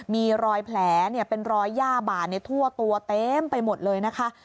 มีรอยแผลเป็นรอยย่าบาดทั่วตัวเต็มไปหมดเลยนะคะ